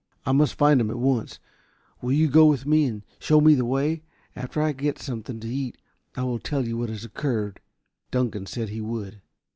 "I must find him at once. Will you go with me and show me the way? After I get something to eat I will tell you what has occurred." Dunkan said he would.